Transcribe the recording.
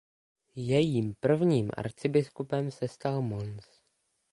Jejím prvním arcibiskupem se stal Mons.